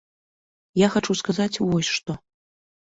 Я хачу сказаць вось што.